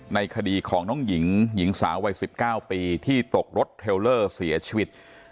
ในคดีของน้องหญิงหญิงสาววัย๑๙ปีที่ตกรถเทลเลอร์เสียชีวิต